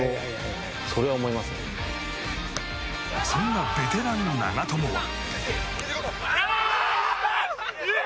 そんなベテラン、長友は。